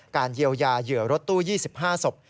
เยียวยาเหยื่อรถตู้๒๕ศพ